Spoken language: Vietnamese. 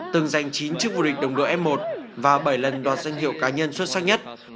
từng giành chín chức vô địch đồng đội f một và bảy lần đoạt danh hiệu cá nhân xuất sắc nhất